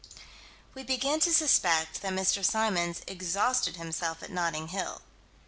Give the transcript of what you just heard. We begin to suspect that Mr. Symons exhausted himself at Notting Hill.